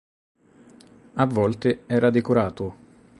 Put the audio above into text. A volte era decorato.